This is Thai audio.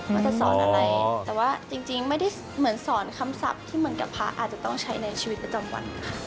ว่าจะสอนอะไรแต่ว่าจริงไม่ได้เหมือนสอนคำศัพท์ที่เหมือนกับพระอาจจะต้องใช้ในชีวิตประจำวันค่ะ